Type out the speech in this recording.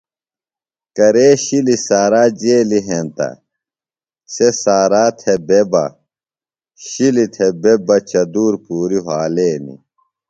کرے شِلیۡ سارا جیلیۡ ہینتہ سےۡ سارا تھےۡ بےۡ بہ شِلیۡ تھےۡ بہ چدُور پُوری وھالینیۡ۔